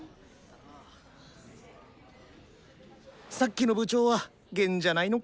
さっきの部長は弦じゃないのか。